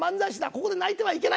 ここで泣いてはいけない。